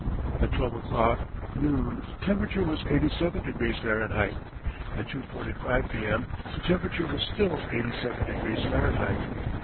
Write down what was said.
At 12 o'clock (noon) temperature was eighty seven degrees Fahrenheit; at 2.45 P. M. the temperature was still eighty seven degrees Fahrenheit.